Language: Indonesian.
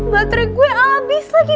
baterai gue abis lagi